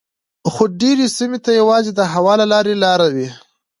خو ډیری سیمو ته یوازې د هوا له لارې لاره وي